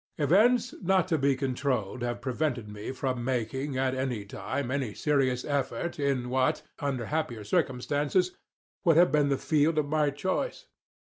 Events not to be controlled have prevented me from making, at any time, any serious effort in what, under happier circumstances, would have been the field of my choice.